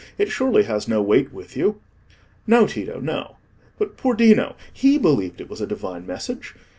It surely has no weight with you." "No, Tito; no. But poor Dino, he believed it was a divine message.